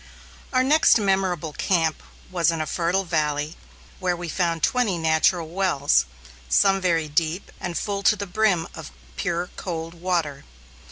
Our next memorable camp was in a fertile valley where we found twenty natural wells, some very deep and full to the brim of pure, cold water.